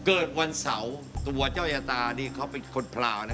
เกิดวันเสาร์ตัวเจ้ายตานี่เขาเป็นคนพลาวนะ